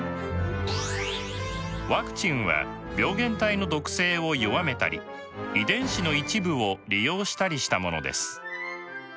ワクチンは病原体の毒性を弱めたり遺伝子の一部を利用したりしたものです。